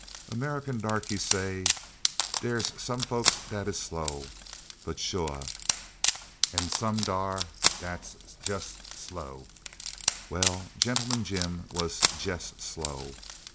American darkies say, "Dere's some folk dat is slow but shua, and some dar is dat's jes' slow!" Well, Gentleman Jim was "jes' slow."